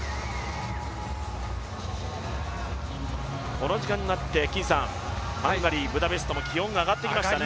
この時間になって、ハンガリー・ブダペストも気温が上がってきましたね。